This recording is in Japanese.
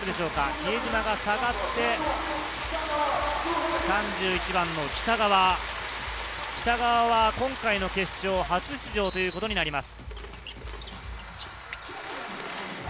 比江島が下がって３１番の喜多川、今回の決勝、初出場ということになります。